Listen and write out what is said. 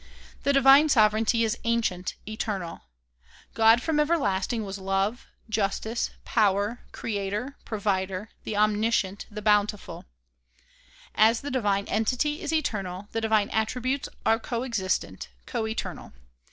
The divine sovereignty is ancient, eternal. God from everlasting was love, justice, power, creator, provider, the omniscient, the bountiful. 154 THE PROMULGATION OF UNIVERSAL PEACE As the divine entity is eternal, the divine attributes are co existent, co eternal.